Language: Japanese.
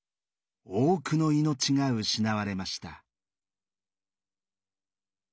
多くの命が失われました。